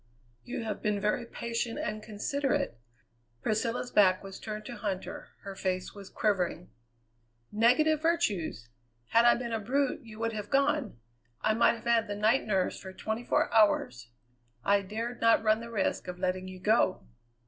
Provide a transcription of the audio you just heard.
"You have been very patient and considerate." Priscilla's back was turned to Huntter; her face was quivering. "Negative virtues! Had I been a brute you would have gone. I might have had the night nurse for twenty four hours. I dared not run the risk of letting you go."